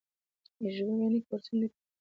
ژبني کورسونه دي پیل سي.